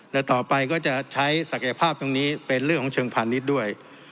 และต่อไปก็จะใช้ศักยภาพตรงนี้เป็นเรื่องของเชิงพาณิชย์ด้วย